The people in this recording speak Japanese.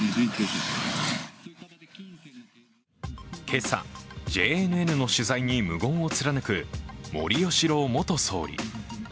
今朝、ＪＮＮの取材に無言を貫く森喜朗元総理。